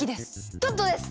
トットです！